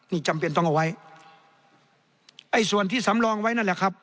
นี่จำเป็นต้องเอาไว้ไอ้ส่วนที่สำรองไว้นั่นแหละครับ